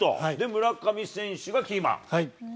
村上選手がキーマン。